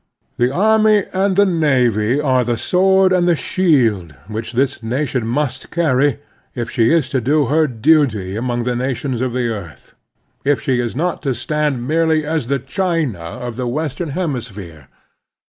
The army and the navy are the sword and the shield which this nation must carry if she is to do her duty among the nations of the earth — ^if she is not to stand merely as the China of the western hemisphere.